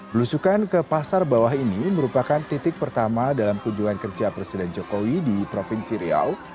belusukan ke pasar bawah ini merupakan titik pertama dalam kunjungan kerja presiden jokowi di provinsi riau